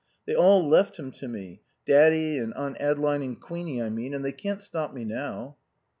They all left him to me Daddy and Aunt Adeline and Queenie, I mean and they can't stop me now."